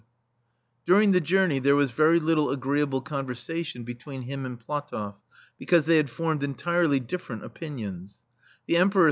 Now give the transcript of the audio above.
* During the journey there was very little agreeable conversation between him and PlatofF, because they had formed entirely different opinions; the Emperor thought that Englishmen had * author's note.